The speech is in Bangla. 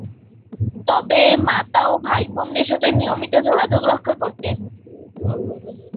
তবে, মাতা ও ভাই-বোনদের সাথে নিয়মিতভাবে যোগাযোগ রক্ষা করতেন।